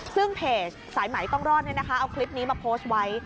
ซึ่งเพจสายไหมต้องรอดเอาคลิปนี้มาโพสต์ไว้